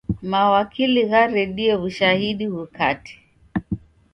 Mawakili gharedie w'ushahidi ghukate.